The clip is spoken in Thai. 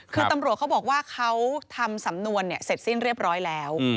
คือตำรวจเขาบอกว่าเขาทำสำนวนเสร็จสิ้นเรียบร้อยแล้ว